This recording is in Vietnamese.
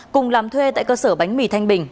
cùng làm thuê tại cơ sở bánh mì thanh bình